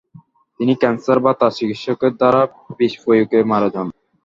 তিনি ক্যান্সার বা তার চিকিৎসকের দ্বারা বিষপ্রয়োগে মারা যান।